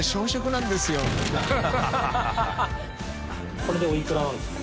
これでおいくらなんですか？